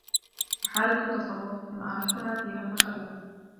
وَحَالَةُ تَصَرُّفٍ إنْ أَرَحْتهَا فِيهَا تَخَلَّتْ